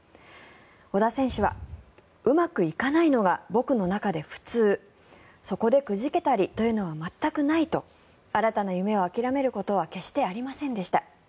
小田選手はうまくいかないのが僕の中で普通そこでくじけたりというのは全くないと新たな夢を諦めることは決してありませんでした。